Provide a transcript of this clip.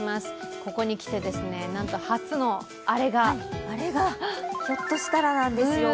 ここにきて、なんと初のあれがひょっとしたらなんですよ。